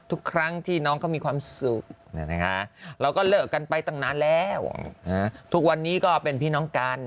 ทุกครั้งที่น้องเขามีความสุขเราก็เลิกกันไปตั้งนานแล้วทุกวันนี้ก็เป็นพี่น้องกัน